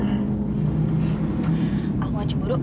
aku gak cemburu